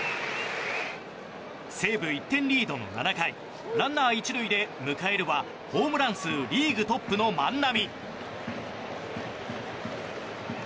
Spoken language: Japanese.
西武１点リードの７回ランナー１塁で迎えるはホームラン数リーグトップの万波。